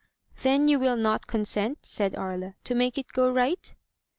"Then you will not consent/' said Aria, "to make it go right?'